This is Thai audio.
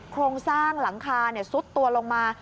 คลงสร้างหลังคาเนี่ยสุดตัวลงมา